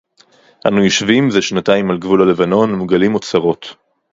אָנוּ יוֹשְׁבִים זֶה שְׁנָתַיִם עַל גְּבוּל הַלְּבָנוֹן וּמְגַלִּים אוֹצָרוֹת.